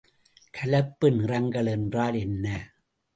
கலப்பு நிறங்கள் என்றால் என்ன?